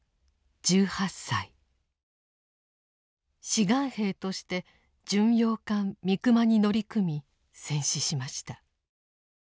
志願兵として巡洋艦「三隈」に乗り組み戦死しました。